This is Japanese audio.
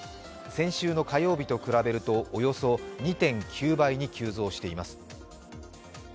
先週の火曜日と比べるとおよそ２．９倍に急増しています。